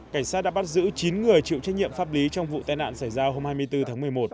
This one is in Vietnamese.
cảnh sát đã bắt giữ chín người chịu trách nhiệm pháp lý trong vụ tai nạn xảy ra hôm hai mươi bốn tháng một mươi một